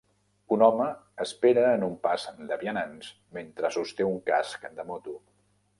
Un home espera en un pas de vianants mentre sosté un casc de moto